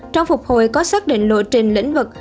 trong phục hồi có xác định lộ trình lĩnh vực